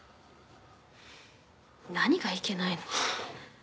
何がいけないの？